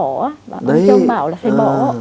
ông chồng bảo là phải bỏ